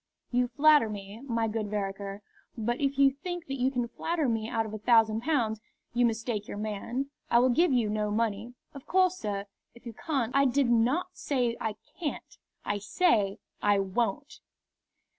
"You flatter me, my good Vereker. But if you think you can flatter me out of a thousand pounds, you mistake your man. I will give you no money." "Of course, sir, if you can't " "I did not say I can't. I say I won't."